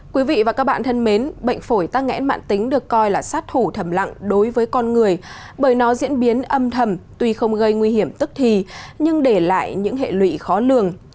quý vị và các bạn thân mến bệnh phổi tắc nghẽn mạng tính được coi là sát thủ thầm lặng đối với con người bởi nó diễn biến âm thầm tuy không gây nguy hiểm tức thì nhưng để lại những hệ lụy khó lường